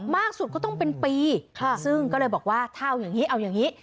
มากสุดก็ต้องเป็นปีซึ่งก็เลยบอกว่าถ้าเอาอย่างนี้เอาอย่างนี้